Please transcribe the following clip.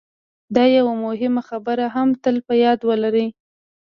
دا یوه مهمه خبره هم تل په یاد ولرئ